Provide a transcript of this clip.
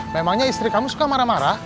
memangnya istri kamu suka marah marah